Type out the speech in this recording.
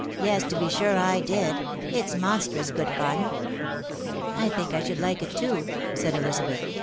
yes, to be sure I did. It's monstrous good fun!" " I think I should like it too," said Elizabeth.